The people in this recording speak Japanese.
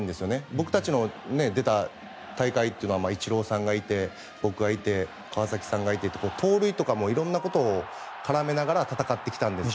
僕たちの出た大会はイチローさんがいて僕がいて、川崎さんがいて盗塁とかいろんなことを絡めながら戦ってきたんですけど。